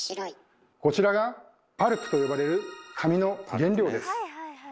こちらが「パルプ」と呼ばれる紙の原料です。